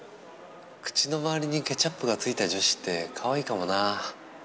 口の周りにケチャップがついた女子ってかわいいかもな。